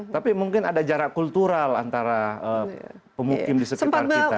tapi mungkin ada jarak kultural antara pemukim di sekitar kita